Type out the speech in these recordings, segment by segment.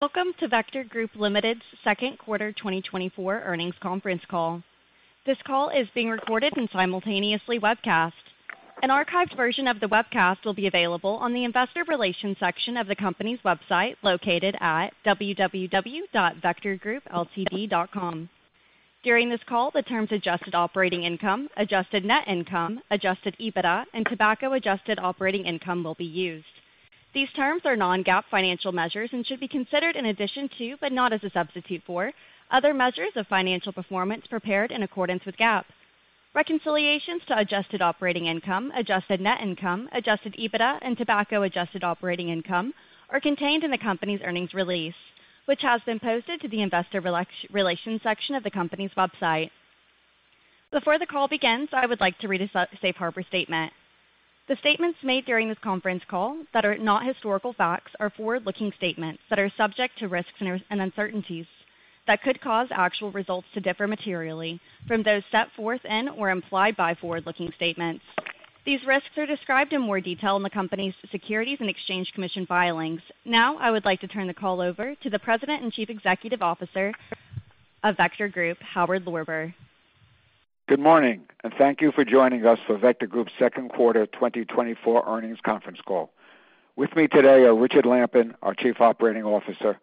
Welcome to Vector Group Limited's Second Quarter 2024 Earnings Conference Call. This call is being recorded and simultaneously webcast. An archived version of the webcast will be available on the investor relations section of the company's website located at www.vectorgroupltd.com. During this call, the terms adjusted operating income, adjusted net income, adjusted EBITDA, and tobacco adjusted operating income will be used. These terms are non-GAAP financial measures and should be considered in addition to, but not as a substitute for, other measures of financial performance prepared in accordance with GAAP. Reconciliations to adjusted operating income, adjusted net income, adjusted EBITDA, and tobacco adjusted operating income are contained in the company's earnings release, which has been posted to the investor relations section of the company's website. Before the call begins, I would like to read a Safe Harbor statement. The statements made during this conference call that are not historical facts are forward-looking statements that are subject to risks and uncertainties that could cause actual results to differ materially from those set forth in or implied by forward-looking statements. These risks are described in more detail in the company's Securities and Exchange Commission filings. Now, I would like to turn the call over to the President and Chief Executive Officer of Vector Group, Howard Lorber. Good morning, and thank you for joining us for Vector Group's Second Quarter 2024 Earnings Conference Call. With me today are Richard Lampen, our Chief Operating Officer;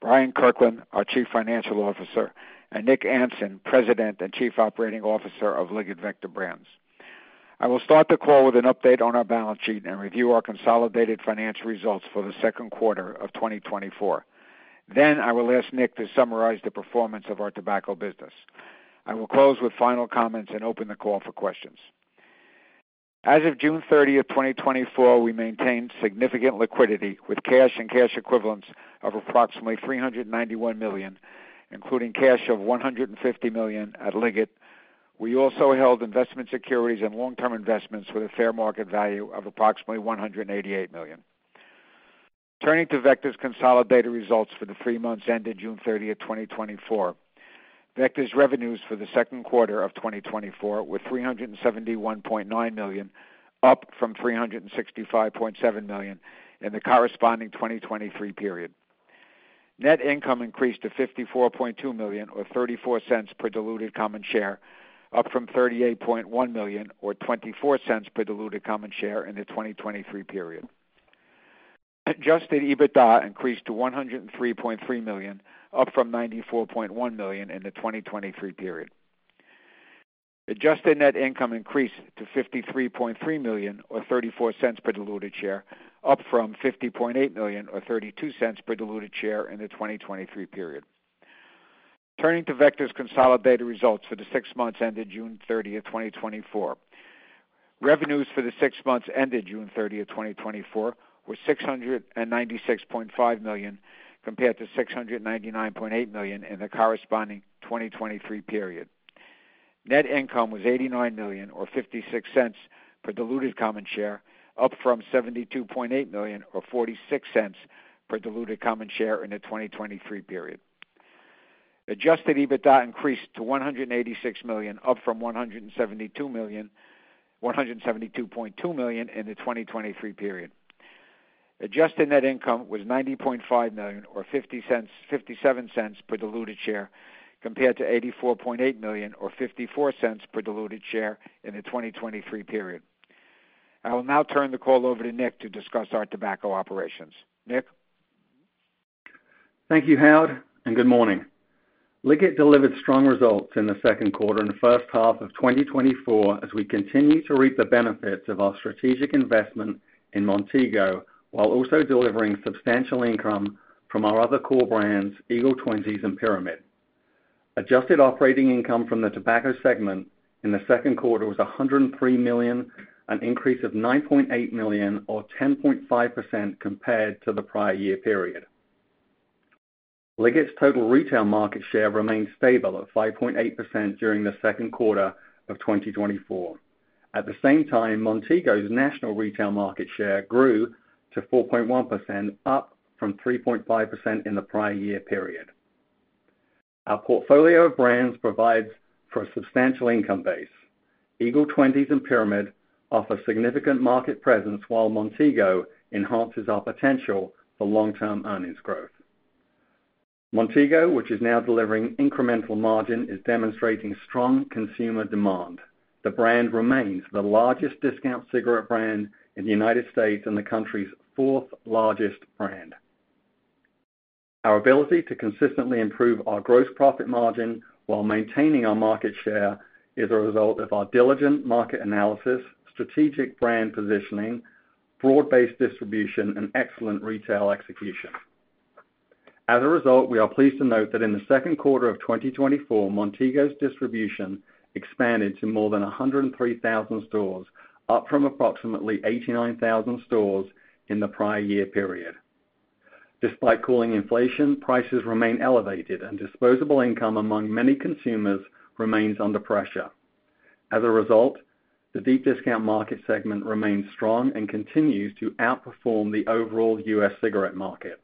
Bryant Kirkland, our Chief Financial Officer; and Nick Anson, President and Chief Operating Officer of Liggett Vector Brands. I will start the call with an update on our balance sheet and review our consolidated financial results for the second quarter of 2024. Then, I will ask Nick to summarize the performance of our tobacco business. I will close with final comments and open the call for questions. As of June 30th, 2024, we maintained significant liquidity with cash and cash equivalents of approximately $391 million, including cash of $150 million at Liggett. We also held investment securities and long-term investments with a fair market value of approximately $188 million. Turning to Vector's consolidated results for the three months ended June 30th, 2024, Vector's revenues for the second quarter of 2024 were $371.9 million, up from $365.7 million in the corresponding 2023 period. Net income increased to $54.2 million, or $0.34 per diluted common share, up from $38.1 million, or $0.24 per diluted common share in the 2023 period. Adjusted EBITDA increased to $103.3 million, up from $94.1 million in the 2023 period. Adjusted net income increased to $53.3 million, or $0.34 per diluted share, up from $50.8 million, or $0.32 per diluted share in the 2023 period. Turning to Vector's consolidated results for the six months ended June 30th, 2024, revenues for the six months ended June 30th, 2024, were $696.5 million compared to $699.8 million in the corresponding 2023 period. Net income was $89.56 per diluted common share, up from $72.8 million, or $0.46 per diluted common share in the 2023 period. Adjusted EBITDA increased to $186.0 million, up from $172.2 million in the 2023 period. Adjusted net income was $90.5 million, or $0.57 per diluted share, compared to $84.8 million, or $0.54 per diluted share in the 2023 period. I will now turn the call over to Nick to discuss our tobacco operations. Nick. Thank you, Howard, and good morning. Liggett delivered strong results in the second quarter and first half of 2024 as we continue to reap the benefits of our strategic investment in Montego while also delivering substantial income from our other core brands, Eagle 20's and Pyramid. Adjusted Operating Income from the tobacco segment in the second quarter was $103.0 million, an increase of $9.8 million, or 10.5% compared to the prior year period. Liggett's total retail market share remained stable at 5.8% during the second quarter of 2024. At the same time, Montego's national retail market share grew to 4.1%, up from 3.5% in the prior year period. Our portfolio of brands provides for a substantial income base. Eagle 20's and Pyramid offer significant market presence while Montego enhances our potential for long-term earnings growth. Montego, which is now delivering incremental margin, is demonstrating strong consumer demand. The brand remains the largest discount cigarette brand in the United States and the country's fourth largest brand. Our ability to consistently improve our gross profit margin while maintaining our market share is a result of our diligent market analysis, strategic brand positioning, broad-based distribution, and excellent retail execution. As a result, we are pleased to note that in the second quarter of 2024, Montego's distribution expanded to more than 103,000 stores, up from approximately 89,000 stores in the prior year period. Despite cooling inflation, prices remain elevated, and disposable income among many consumers remains under pressure. As a result, the deep discount market segment remains strong and continues to outperform the overall U.S. cigarette market.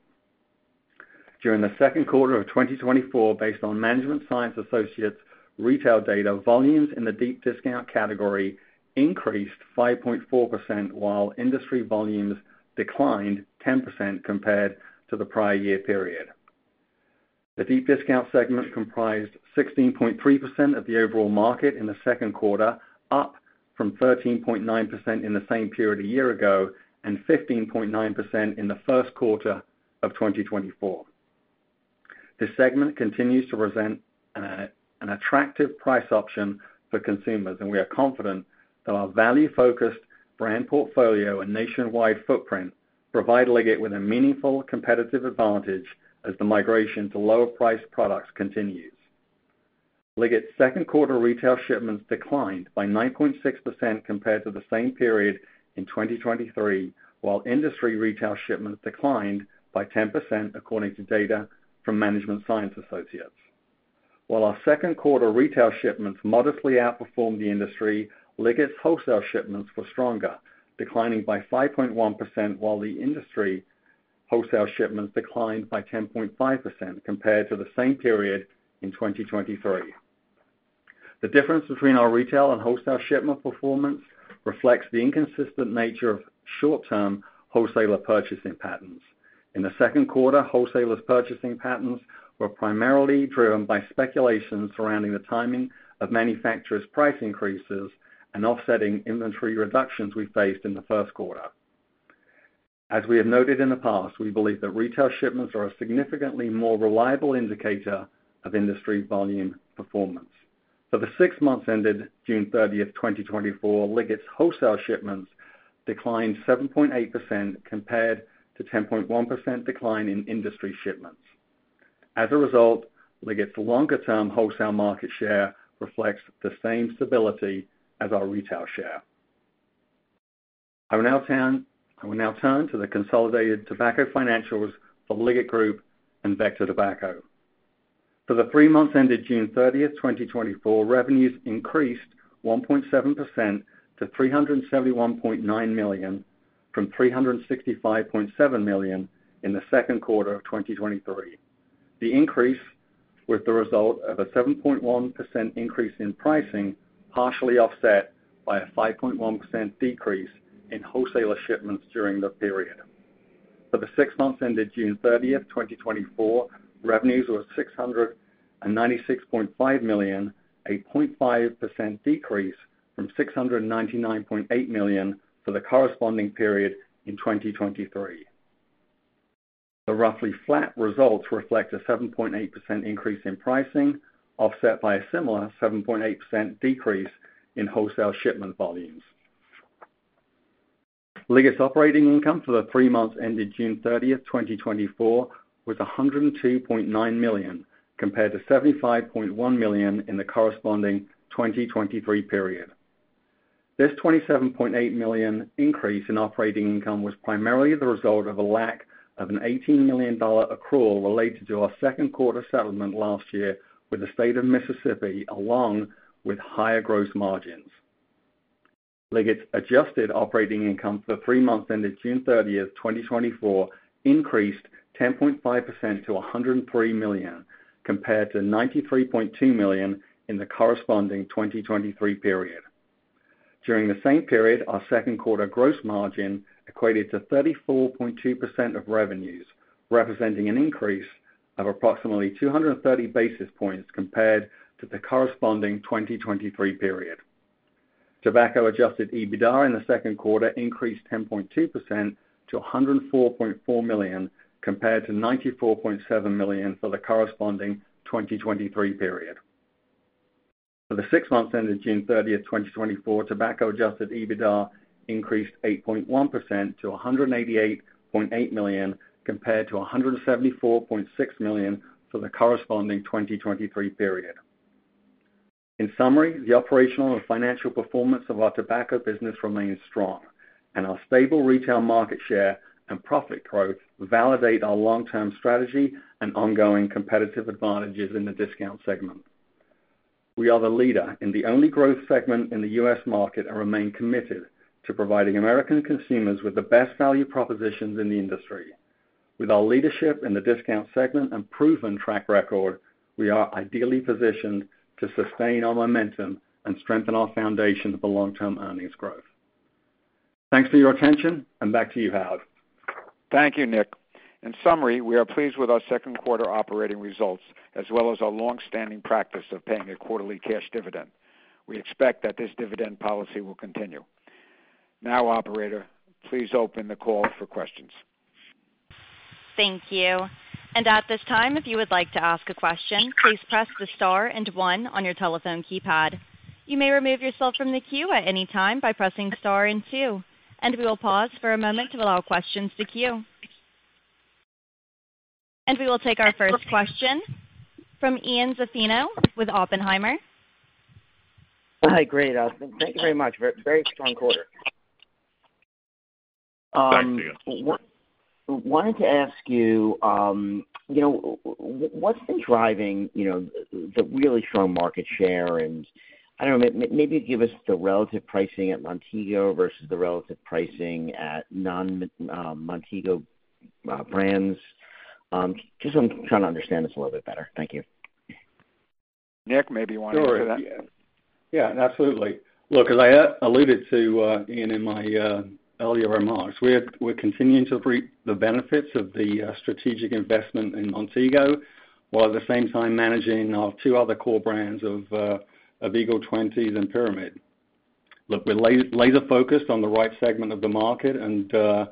During the second quarter of 2024, based on Management Science Associates' retail data, volumes in the deep discount category increased 5.4% while industry volumes declined 10% compared to the prior year period. The deep discount segment comprised 16.3% of the overall market in the second quarter, up from 13.9% in the same period a year ago and 15.9% in the first quarter of 2024. This segment continues to present an attractive price option for consumers, and we are confident that our value-focused brand portfolio and nationwide footprint provide Liggett with a meaningful competitive advantage as the migration to lower-priced products continues. Liggett's second quarter retail shipments declined by 9.6% compared to the same period in 2023, while industry retail shipments declined by 10% according to data from Management Science Associates. While our second quarter retail shipments modestly outperformed the industry, Liggett's wholesale shipments were stronger, declining by 5.1%, while the industry wholesale shipments declined by 10.5% compared to the same period in 2023. The difference between our retail and wholesale shipment performance reflects the inconsistent nature of short-term wholesaler purchasing patterns. In the second quarter, wholesalers' purchasing patterns were primarily driven by speculation surrounding the timing of manufacturers' price increases and offsetting inventory reductions we faced in the first quarter. As we have noted in the past, we believe that retail shipments are a significantly more reliable indicator of industry volume performance. For the six months ended June 30th, 2024, Liggett's wholesale shipments declined 7.8% compared to a 10.1% decline in industry shipments. As a result, Liggett's longer-term wholesale market share reflects the same stability as our retail share. I will now turn to the consolidated tobacco financials for Liggett Group and Vector Tobacco. For the three months ended June 30th, 2024, revenues increased 1.7% to $371.9 million from $365.7 million in the second quarter of 2023. The increase was the result of a 7.1% increase in pricing, partially offset by a 5.1% decrease in wholesaler shipments during the period. For the six months ended June 30th, 2024, revenues were $696.5 million, a 0.5% decrease from $699.8 million for the corresponding period in 2023. The roughly flat results reflect a 7.8% increase in pricing, offset by a similar 7.8% decrease in wholesale shipment volumes. Liggett's operating income for the three months ended June 30th, 2024, was $102.9 million compared to $75.1 million in the corresponding 2023 period. This $27.8 million increase in operating income was primarily the result of a lack of an $18 million accrual related to our second quarter settlement last year with the state of Mississippi, along with higher gross margins. Liggett's adjusted operating income for the three months ended June 30th, 2024, increased 10.5% to $103 million compared to $93.2 million in the corresponding 2023 period. During the same period, our second quarter gross margin equated to 34.2% of revenues, representing an increase of approximately 230 basis points compared to the corresponding 2023 period. Tobacco Adjusted EBITDA in the second quarter increased 10.2% to $104.4 million compared to $94.7 million for the corresponding 2023 period. For the six months ended June 30th, 2024, Tobacco Adjusted EBITDA increased 8.1% to $188.8 million compared to $174.6 million for the corresponding 2023 period. In summary, the operational and financial performance of our tobacco business remains strong, and our stable retail market share and profit growth validate our long-term strategy and ongoing competitive advantages in the discount segment. We are the leader in the only growth segment in the U.S. market and remain committed to providing American consumers with the best value propositions in the industry. With our leadership in the discount segment and proven track record, we are ideally positioned to sustain our momentum and strengthen our foundation for long-term earnings growth. Thanks for your attention, and back to you, Howard. Thank you, Nick. In summary, we are pleased with our second quarter operating results, as well as our longstanding practice of paying a quarterly cash dividend. We expect that this dividend policy will continue. Now, Operator, please open the call for questions. Thank you. At this time, if you would like to ask a question, please press the star and one on your telephone keypad. You may remove yourself from the queue at any time by pressing star and two. We will pause for a moment to allow questions to queue. We will take our first question from Ian Zaffino with Oppenheimer. Hi, great, Austin. Thank you very much for a very strong quarter. Thanks, Ian. Wanted to ask you, what's been driving the really strong market share? I don't know, maybe give us the relative pricing at Montego versus the relative pricing at non-Montego brands. Just trying to understand this a little bit better. Thank you. Nick, maybe you want to answer that? Sure. Yeah, absolutely. Look, as I alluded to, Ian, in my earlier remarks, we're continuing to reap the benefits of the strategic investment in Montego while at the same time managing our two other core brands of Eagle 20's and Pyramid. Look, we're laser-focused on the right segment of the market and our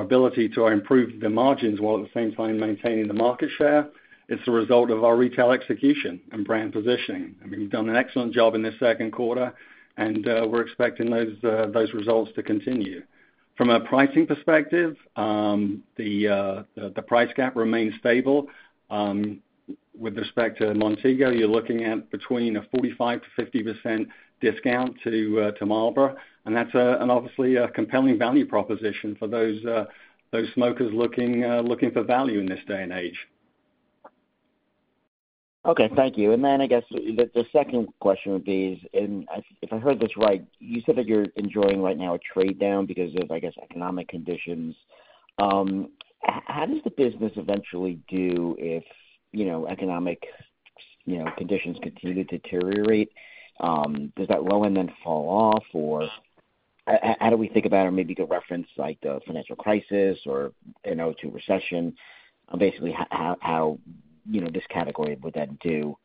ability to improve the margins while at the same time maintaining the market share. It's the result of our retail execution and brand positioning. I mean, we've done an excellent job in this second quarter, and we're expecting those results to continue. From a pricing perspective, the price gap remains stable. With respect to Montego, you're looking at between a 45%-50% discount to Marlboro, and that's obviously a compelling value proposition for those smokers looking for value in this day and age. Okay, thank you. Then I guess the second question would be, if I heard this right, you said that you're enjoying right now a trade down because of, I guess, economic conditions. How does the business eventually do if economic conditions continue to deteriorate? Does that low end then fall off, or how do we think about it? Maybe you could reference the financial crisis or the 2002 recession. Basically, how this category would then do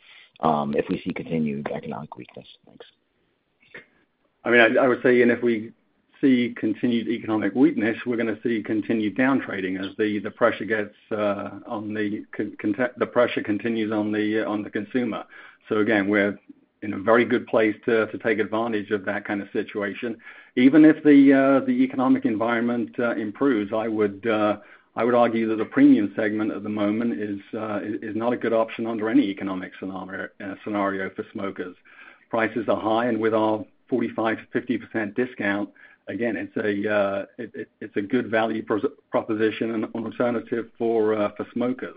if we see continued economic weakness? Thanks. I mean, I would say, Ian, if we see continued economic weakness, we're going to see continued downtrading as the pressure gets on the pressure continues on the consumer. So again, we're in a very good place to take advantage of that kind of situation. Even if the economic environment improves, I would argue that the premium segment at the moment is not a good option under any economic scenario for smokers. Prices are high, and with our 45%-50% discount, again, it's a good value proposition and an alternative for smokers.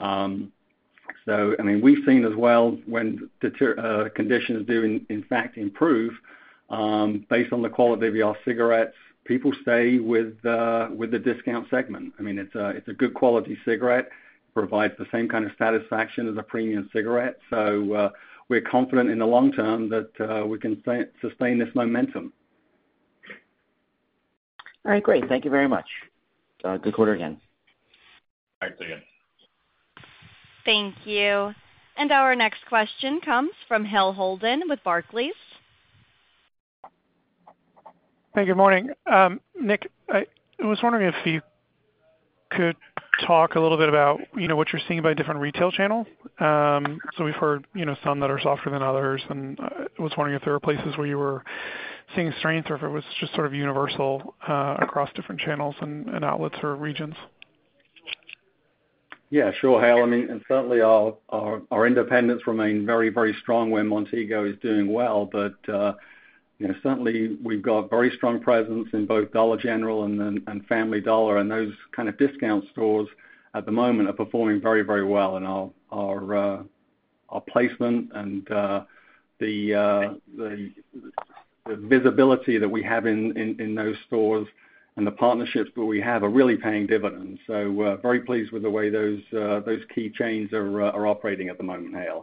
So I mean, we've seen as well, when conditions do, in fact, improve, based on the quality of your cigarettes, people stay with the discount segment. I mean, it's a good quality cigarette. It provides the same kind of satisfaction as a premium cigarette. We're confident in the long term that we can sustain this momentum. All right, great. Thank you very much. Good quarter again. Thanks, Ian. Thank you. Our next question comes from Hale Holden with Barclays. Hey, good morning. Nick, I was wondering if you could talk a little bit about what you're seeing by different retail channels. We've heard some that are softer than others, and I was wondering if there were places where you were seeing strength or if it was just sort of universal across different channels and outlets or regions? Yeah, sure. I mean, certainly, our independents remain very, very strong where Montego is doing well. But certainly, we've got very strong presence in both Dollar General and Family Dollar, and those kind of discount stores at the moment are performing very, very well. And our placement and the visibility that we have in those stores and the partnerships that we have are really paying dividends. So very pleased with the way those key chains are operating at the moment, I am.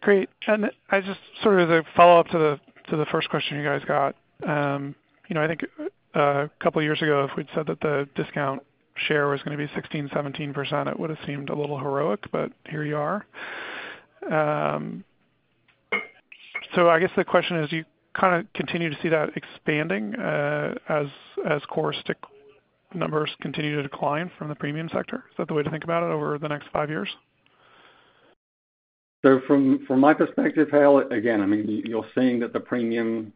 Great. And I just sort of as a follow-up to the first question you guys got, I think a couple of years ago, if we'd said that the discount share was going to be 16%, 17%, it would have seemed a little heroic, but here you are. So I guess the question is, do you kind of continue to see that expanding as core stick numbers continue to decline from the premium sector? Is that the way to think about it over the next five years? So from my perspective, Ian, again, I mean, you're seeing that the premium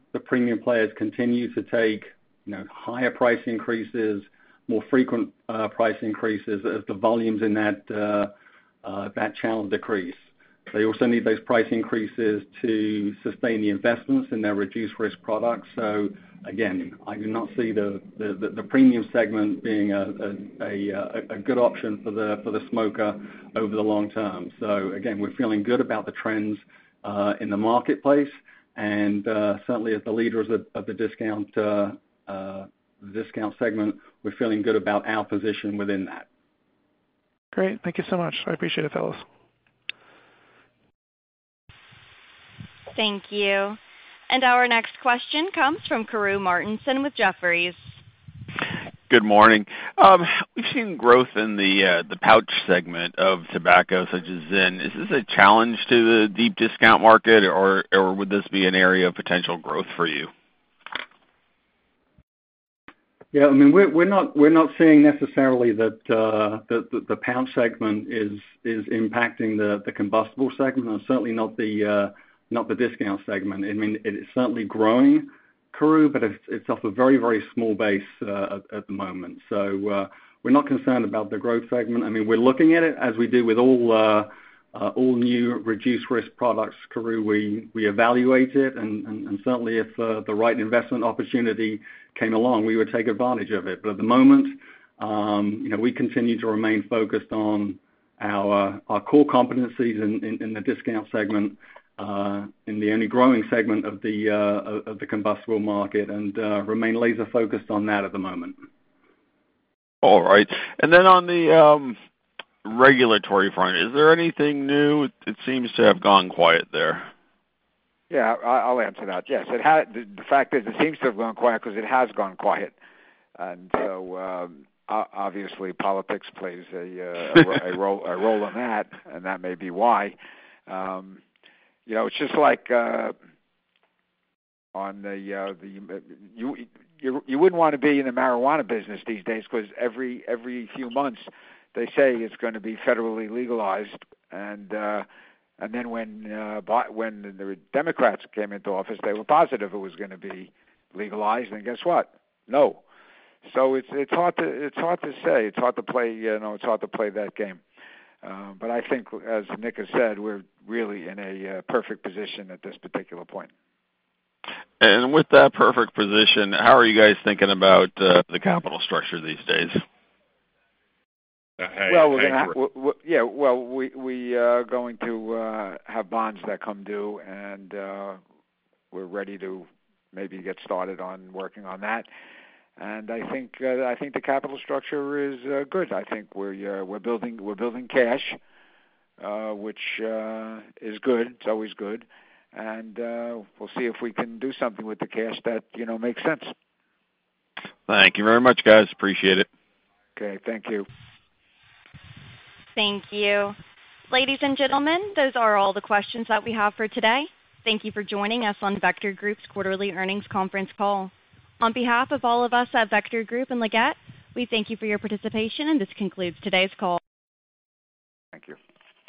players continue to take higher price increases, more frequent price increases as the volumes in that channel decrease. They also need those price increases to sustain the investments in their reduced-risk products. So again, I do not see the premium segment being a good option for the smoker over the long term. So again, we're feeling good about the trends in the marketplace. And certainly, as the leaders of the discount segment, we're feeling good about our position within that. Great. Thank you so much. I appreciate it, fellas. Thank you. Our next question comes from Karru Martinson with Jefferies. Good morning. We've seen growth in the pouch segment of tobacco such as ZYN. Is this a challenge to the deep discount market, or would this be an area of potential growth for you? Yeah, I mean, we're not seeing necessarily that the pouch segment is impacting the combustible segment and certainly not the discount segment. I mean, it's certainly growing, Karru, but it's off a very, very small base at the moment. So we're not concerned about the growth segment. I mean, we're looking at it as we do with all new reduced-risk products, Karru. We evaluate it, and certainly, if the right investment opportunity came along, we would take advantage of it. But at the moment, we continue to remain focused on our core competencies in the discount segment, in the only growing segment of the combustible market, and remain laser-focused on that at the moment. All right. And then on the regulatory front, is there anything new? It seems to have gone quiet there. Yeah, I'll answer that. Yes. The fact is, it seems to have gone quiet because it has gone quiet. And so obviously, politics plays a role in that, and that may be why. It's just like on the you wouldn't want to be in the marijuana business these days because every few months they say it's going to be federally legalized. And then when the Democrats came into office, they were positive it was going to be legalized. And guess what? No. So it's hard to say. It's hard to play that game. But I think, as Nick has said, we're really in a perfect position at this particular point. With that perfect position, how are you guys thinking about the capital structure these days? Well, we're going to have bonds that come due, and we're ready to maybe get started on working on that. I think the capital structure is good. I think we're building cash, which is good. It's always good. We'll see if we can do something with the cash that makes sense. Thank you very much, guys. Appreciate it. Okay, thank you. Thank you. Ladies and gentlemen, those are all the questions that we have for today. Thank you for joining us on Vector Group's quarterly earnings conference call. On behalf of all of us at Vector Group and Liggett, we thank you for your participation, and this concludes today's call. Thank you.